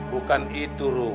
bukan itu rum